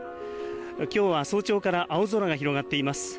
きょうは早朝から青空が広がっています。